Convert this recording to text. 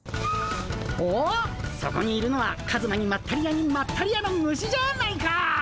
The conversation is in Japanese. おっそこにいるのはカズマにまったり屋にまったり屋の虫じゃないか！